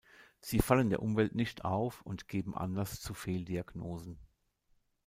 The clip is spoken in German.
Sie fallen der Umwelt nicht auf und geben Anlass zu Fehldiagnosen.